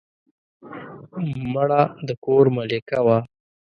مړه د کور ملکه وه